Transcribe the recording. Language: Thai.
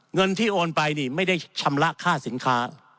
เงินที่โอนไปนี่ไม่ได้ชำระค่าสินค้า